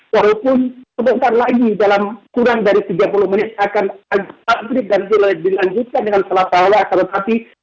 walaupun sebentar lagi dalam kurang dari tiga puluh menit akan takdir dan dilanjutkan dengan sholat taraweeh agar tetapkan ke wilayah gaza